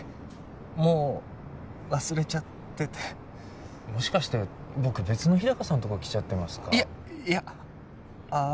もう忘れちゃっててもしかして僕別の日高さんとこ来ちゃってますか？